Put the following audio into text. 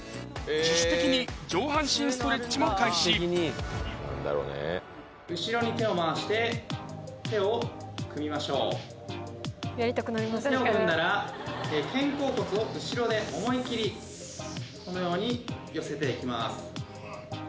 自主的に上半身ストレッチも開始後ろに手を回して手を組みましょう手を組んだら肩甲骨を後ろで思い切りこのように寄せていきます